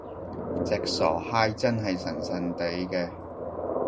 隻傻閪真係神神地嘅！